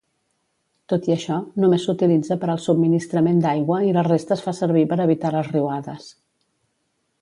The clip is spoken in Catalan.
Tot i això, només s'utilitza per al subministrament d'aigua i la resta es fa servir per evitar les riuades.